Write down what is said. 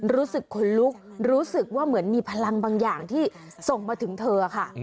รู้สึกขนลุกรู้สึกว่าเหมือนมีพลังบางอย่างที่ส่งมาถึงเธอค่ะ